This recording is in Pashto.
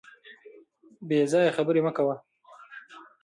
بې ځایه خبري مه کوه .